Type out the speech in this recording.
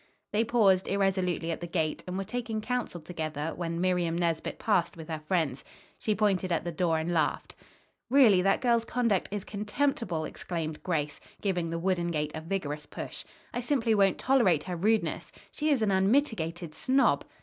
They paused irresolutely at the gate, and were taking counsel together when Miriam Nesbit passed with her friends. She pointed at the door and laughed. "Really, that girl's conduct is contemptible!" exclaimed Grace, giving the wooden gate a vigorous push. "I simply won't tolerate her rudeness. She is an unmitigated snob!"